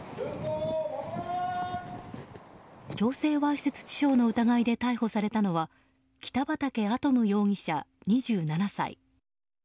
強制わいせつ致傷の疑いで逮捕されたのは北畠亜都夢容疑者、２７歳。